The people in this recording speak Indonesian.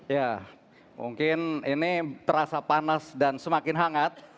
ya mungkin ini terasa panas dan semakin hangat